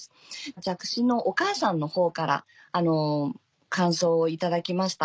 弱視のお母さんのほうから感想を頂きました。